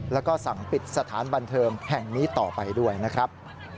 แล้วก็สั่งปิดสถานบันเทิงแห่งนี้ต่อไปด้วยนะครับ